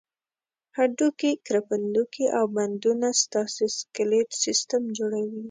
هډوکي، کرپندوکي او بندونه ستاسې سکلېټ سیستم جوړوي.